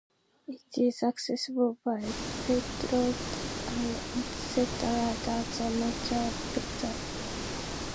It is accessible by paved road and is set aside as a nature preserve.